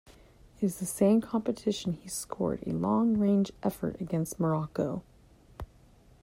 In the same competition, he scored a long range effort against Morocco.